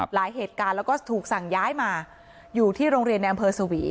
เหตุการณ์แล้วก็ถูกสั่งย้ายมาอยู่ที่โรงเรียนในอำเภอสวี